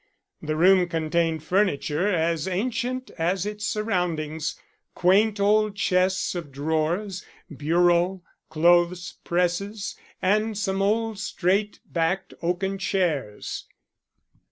The room contained furniture as ancient as its surroundings: quaint old chests of drawers, bureaux, clothes presses, and some old straight backed oaken chairs.